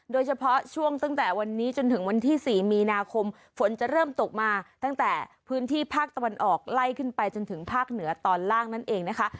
โดยเฉพาะช่วงตั้งแต่วันนี้จนถึงวันที่๔มีนาคมฝนจะเริ่มตกมาตั้งแต่พื้นที่ภาคตะวันออกไล่ขึ้นไปจนถึงภาคเหนือตอนล่างนั่นเองนะคะ